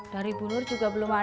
dari bu nur juga belum ada